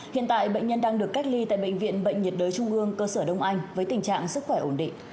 hiện tại bệnh nhân đang được cách ly tại bệnh viện bệnh nhiệt đới trung ương cơ sở đông anh với tình trạng sức khỏe ổn định